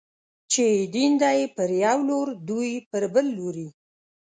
چې يې دين دی، پر يو لور دوی پر بل لوري